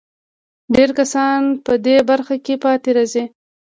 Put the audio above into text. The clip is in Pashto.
ډېر کسان په دې برخه کې پاتې راځي.